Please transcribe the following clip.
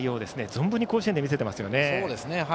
存分に甲子園で見せていますね。